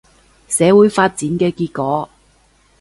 社會發展嘅結果